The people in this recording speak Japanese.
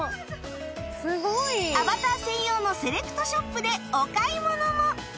アバター専用のセレクトショップでお買い物も！